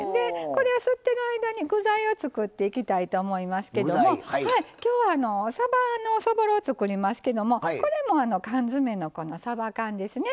これを吸ってる間に具材を作っていきたいと思いますけども今日はさばのそぼろ煮を作りますけどこれも缶詰のさば缶ですね。